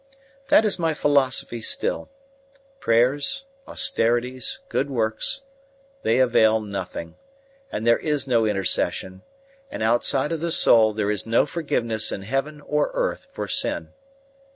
That is my philosophy still: prayers, austerities, good works they avail nothing, and there is no intercession, and outside of the soul there is no forgiveness in heaven or earth for sin.